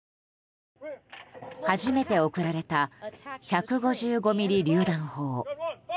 初めて送られた１５５ｍｍりゅう弾砲。